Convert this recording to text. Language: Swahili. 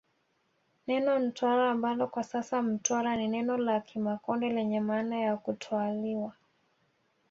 Neno Ntwara ambalo kwa sasa Mtwara ni neno la Kimakonde lenye maana ya kutwaaliwa